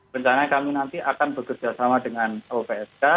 rencananya kami nanti akan bekerjasama dengan lpsk